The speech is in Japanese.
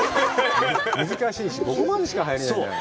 難しいし、ここまでしか入れないじゃない。